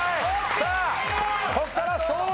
さあここから昭和！